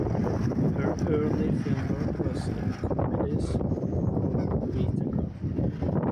Her early film work was in comedies for Vitagraph.